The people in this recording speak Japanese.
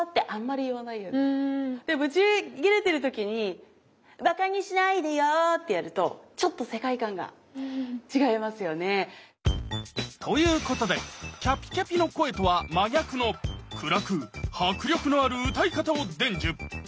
でぶちギレてる時に「馬鹿にしないでよ」ってやるとちょっと世界観が違いますよね。ということでキャピキャピの声とは真逆の暗く迫力のある歌い方を伝授。